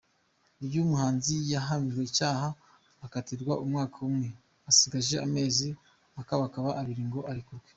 Uyu muhanzi yahamijwe icyaha akatirwa umwaka umwe, asigaje amezi akabakaba abiri ngo arekurwe.